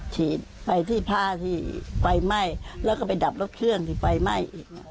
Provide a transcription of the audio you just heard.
ฉีดไปที่ผ้าที่ไฟไหม้แล้วก็ไปดับรถเครื่องที่ไฟไหม้อีก